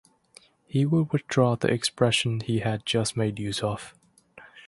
He would withdraw the expression he had just made use of.